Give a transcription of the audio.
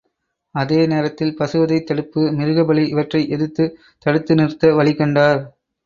அதே நேரத்தில் பசுவதைத் தடுப்பு, மிருகபலி இவற்றை எதிர்த்துத் தடுத்து நிறுத்த வழி கண்டார்.